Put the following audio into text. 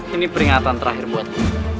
ini peringatan terakhir buat